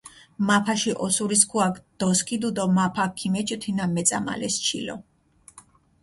მაფაში ოსურისქუაქ დოსქიდჷ დო მაფაქ ქიმეჩჷ თინა მეწამალეს ჩილო.